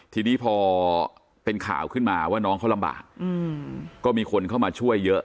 ทีนี้พอเป็นข่าวขึ้นมาว่าน้องเขาลำบากก็มีคนเข้ามาช่วยเยอะ